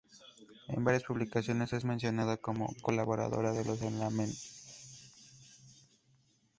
En varias publicaciones, es mencionada como colaboradora de los alemanes.